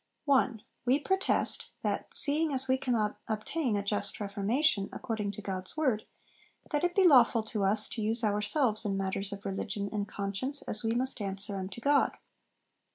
1. 'We protest, that seeing we cannot obtain a just reformation, according to God's word, that it be lawful to us to use ourselves in matters of religion and conscience, as we must answer unto God.